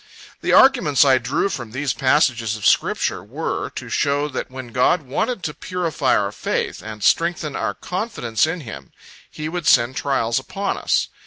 The arguments I drew from these passages of Scripture were, to show that when God wanted to purify our faith, and strengthen our confidence in Him, He would send trials upon us.